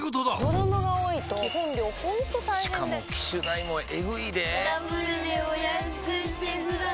子供が多いと基本料ほんと大変でしかも機種代もエグいでぇダブルでお安くしてください